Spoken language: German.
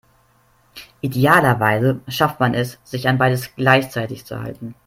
Idealerweise schafft man es, sich an beides gleichzeitig zu halten.